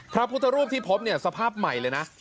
พระพุทธรูปที่พบเนี่ยสภาพใหม่เลยนะ